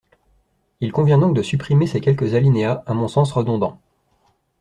Il convient donc de supprimer ces quelques alinéas, à mon sens redondants.